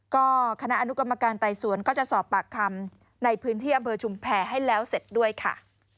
ก็คณะอนุกรรมการไต่สวนก็จะสอบปากคำในพื้นที่อำเภอชุมแพรให้แล้วเสร็จด้วยค่ะ